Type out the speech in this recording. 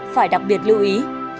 phải đặc biệt lưu ý